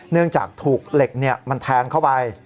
เนื่องจากถูกเหล็กมันแทงเข้าไป